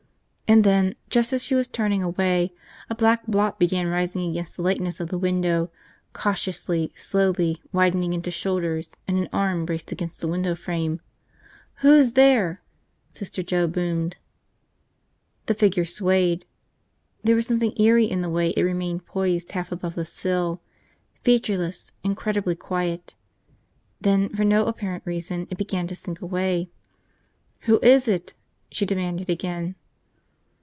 And then, just as she was turning away, a black blot began rising against the lightness of the window, cautiously, slowly widening into shoulders and an arm braced against the window frame. "Who's there?" Sister Joe boomed. The figure swayed. There was something eerie in the way it remained poised half above the sill, featureless, incredibly quiet. Then, for no apparent reason, it began to sink away. "Who is it?" she demanded again.